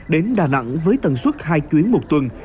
đến đà nẵng với tần suất hai chuyến một tuần